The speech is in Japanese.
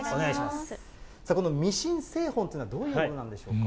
このミシン製本というのはどういうものなんでしょうか。